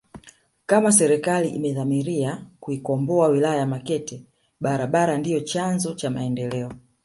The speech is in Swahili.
Kama serikali imedhamiria kuikomboa wilaya ya Makete barabara ndio chanzo za maendeleo